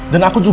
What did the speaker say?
dan aku juga